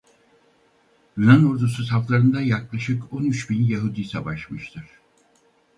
Yunan Ordusu saflarında yaklaşık on üç bin Yahudi savaşmıştır.